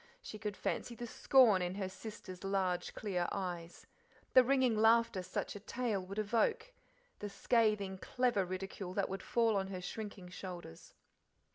She could fancy the scorn in her sister's large clear eyes, the ringing laughter such a tale would evoke, the scathing, clever ridicule that would fall on her shrinking shoulders.